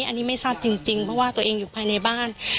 อันนี้ไม่ทราบจริงเพราะว่าตัวเองอยู่ภายในบ้าน